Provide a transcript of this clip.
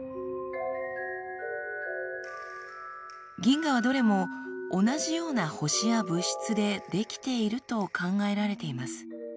銀河はどれも同じような星や物質で出来ていると考えられています。